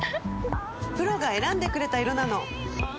プロが選んでくれた色なの！